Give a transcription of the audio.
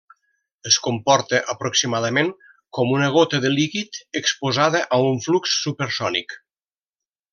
Es comporta aproximadament com una gota de líquid exposada a un flux supersònic.